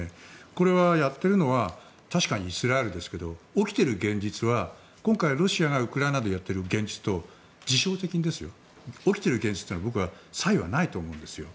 これをやっているのは確かにイスラエルですけど起きている現実は今回、ロシアがウクライナでやっている現実と、事象的に起きている現実というのは差異はないと思うんですよ。